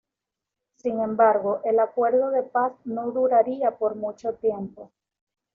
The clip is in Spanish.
Sin embargo, el acuerdo de paz no duraría por mucho tiempo.